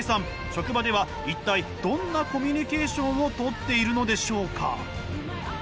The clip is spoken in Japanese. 職場では一体どんなコミュニケーションをとっているのでしょうか？